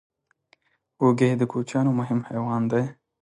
وزې د کوچیانو مهم حیوان دی